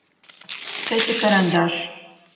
Тэ тикарандаш.